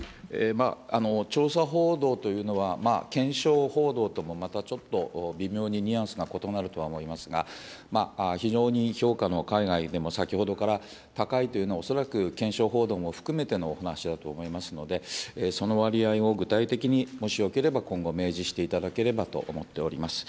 調査報道というのは、検証報道ともまたちょっと微妙にニュアンスが異なるとは思いますが、非常に評価の、海外でも先ほどから高いというのは、恐らく検証報道も含めてのお話だと思いますので、その割合を具体的に、もしよければ今後、明示していただければと思っております。